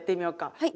はい。